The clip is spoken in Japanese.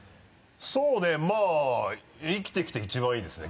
そうねまぁ生きてきて一番いいですね